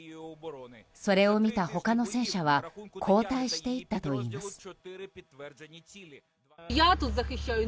それを見た他の戦車は後退していったといいます。